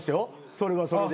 それはそれで。